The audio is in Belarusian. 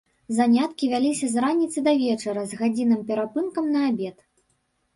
Заняткі вяліся з раніцы да вечара з гадзінным перапынкам на абед.